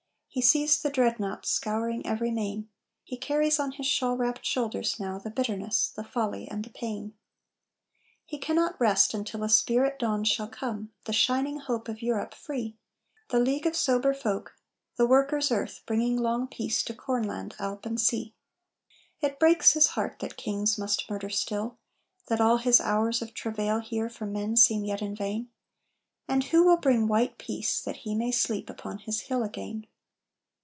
He sees the dreadnaughts scouring every main. He carries on his shawl wrapped shoulders now The bitterness, the folly and the pain. He cannot rest until a spirit dawn Shall come; the shining hope of Europe free: The league of sober folk, the Workers' Earth Bringing long peace to Cornland, Alp, and Sea. It breaks his heart that kings must murder still, That all his hours of travail here for men Seem yet in vain. And who will bring white peace That he may sleep upon his hill again?